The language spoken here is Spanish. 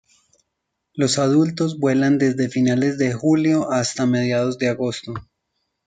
Los adultos vuelan desde finales de julio hasta mediados de agosto.